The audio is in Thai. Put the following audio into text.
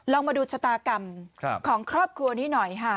ลองมาดูชะตากรรมของครอบครัวนี้หน่อยค่ะ